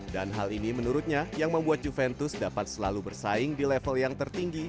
dan hal ini menurutnya yang membuat juventus dapat selalu bersaing di level yang tertinggi